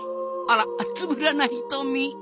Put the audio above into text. あらつぶらな瞳。